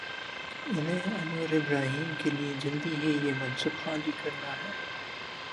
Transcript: انہیں Anwar Ibrahim کے لیے جلد ہی یہ منصب خالی کر نا ہے۔